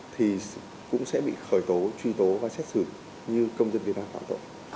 thì cũng sẽ bị khởi tố truy tố và xét xử như công dân việt nam phạm tội